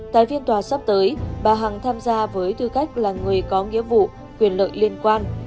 tại phiên tòa sắp tới bà hằng tham gia với tư cách là người có nghĩa vụ quyền lợi liên quan